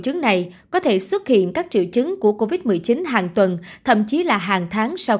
chứng này có thể xuất hiện các triệu chứng của covid một mươi chín hàng tuần thậm chí là hàng tháng sau